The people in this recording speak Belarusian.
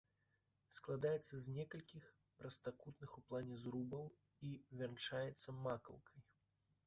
Складаецца з некалькіх прастакутных у плане зрубаў, і вянчаецца макаўкай.